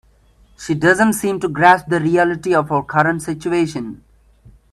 She doesn't seem to grasp the reality of her current situation.